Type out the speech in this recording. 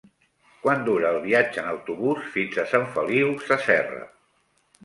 Quant dura el viatge en autobús fins a Sant Feliu Sasserra?